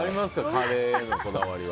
カレーへのこだわりは。